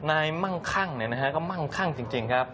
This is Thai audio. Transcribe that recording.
นายมั่งคั่งนะครับก็มั่งคั่งจริงครับ